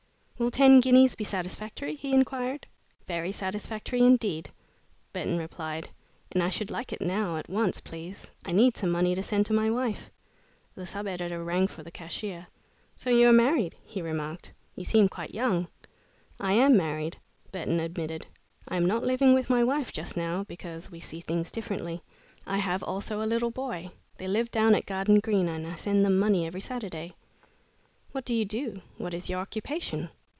"Will ten guineas be satisfactory?" he inquired. "Very satisfactory indeed," Burton replied, "and I should like it now, at once, please. I need some money to send to my wife." The sub editor rang for the cashier. "So you are married," he remarked. "You seem quite young." "I am married," Burton admitted. "I am not living with my wife just now because we see things differently. I have also a little boy. They live down at Garden Green and I send them money every Saturday." "What do you do? What is your occupation?"